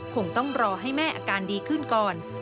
คงต้องรอให้แม่อาการดีขึ้นก่อน